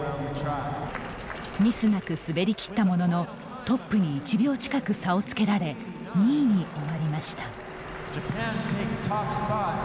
ミスなく滑りきったもののトップに１秒近く差をつけられ２位に終わりました。